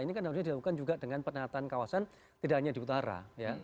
ini kan harusnya dilakukan juga dengan penataan kawasan tidak hanya di utara